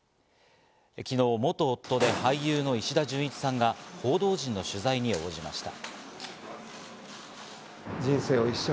昨日、元夫で俳優の石田純一さんが報道陣の取材に応じました。